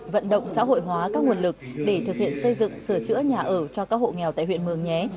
vận động xã hội hóa các nguồn lực để thực hiện xây dựng sửa chữa nhà ở cho các hộ nghèo tại huyện mường nhé